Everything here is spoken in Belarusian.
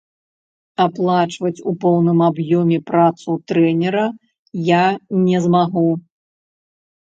Аплачваць у поўным аб'ёме працу трэнера я не змагу.